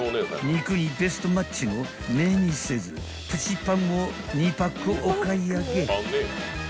肉にベストマッチのメニセズプチパンを２パックお買い上げ］